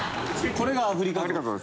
これがアフリカゾウ？